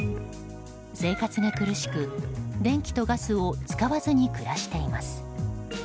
生活が苦しく、電気とガスを使わずに暮らしています。